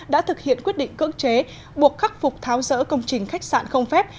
đã thực hiện quyết định cưỡng chế buộc khắc phục tháo rỡ công trình khách sạn không phép